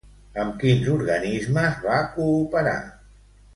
Amb quins organismes va cooperar?